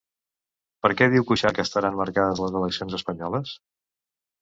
Per què diu Cuixart que estaran marcades les eleccions espanyoles?